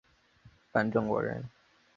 范正国人。